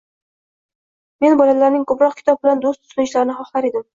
Men bolalarning ko‘proq kitob bilan do‘st tutinishlarini xohlar edim.